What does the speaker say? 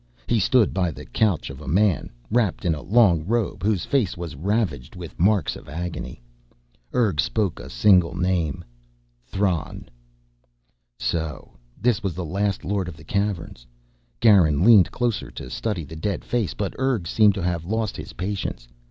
He stood by the couch of a man, wrapped in a long robe, whose face was ravaged with marks of agony. Urg spoke a single name: "Thran." So this was the last Lord of the Caverns. Garin leaned closer to study the dead face but Urg seemed to have lost his patience.